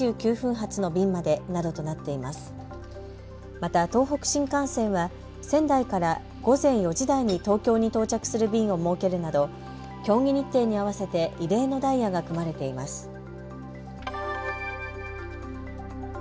また東北新幹線は仙台から午前４時台に東京に到着する便を設けるなど競技日程に合わせて異例のダイヤが組まれています。